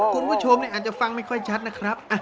คุณผู้ชมอาจจะฟังไม่ค่อยชัดนะครับ